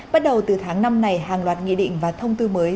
bắt đầu từ tháng năm này hàng loạt nghị định và thông tư mới